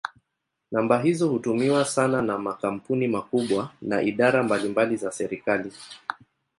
Namba hizo hutumiwa sana na makampuni makubwa na idara mbalimbali za serikali.